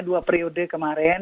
dua periode kemarin